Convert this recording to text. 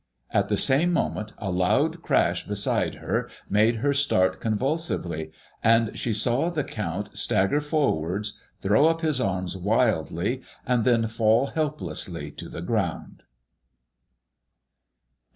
" At the same moment a loud crash beside her made her start convul sively, and she saw the Count stagger forwards, throw up his arms wildly, and then fall help lessly to the ground VI.